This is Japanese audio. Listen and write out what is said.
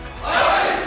はい！